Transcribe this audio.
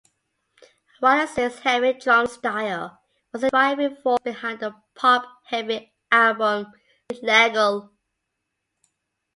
Wallace's heavy drum style was the driving force behind the pop-heavy album "Street-Legal".